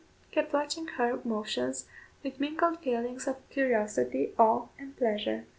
kept watching her motions with mingled feelings of curiosity, awe, and pleasure.